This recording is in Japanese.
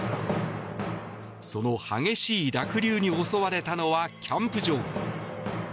その激しい濁流に襲われたのはキャンプ場。